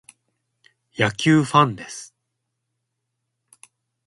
野球ファンです。